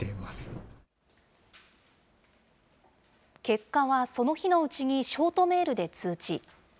結果は、その日のうちにショートメールで通知。